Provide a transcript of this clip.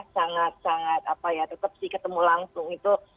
sangat sangat tetap sih ketemu langsung